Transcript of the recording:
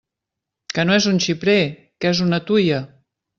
Que no és un xiprer, que és una tuia!